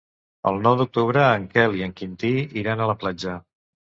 El nou d'octubre en Quel i en Quintí iran a la platja.